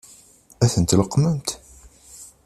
Ad tent-tleqqmemt?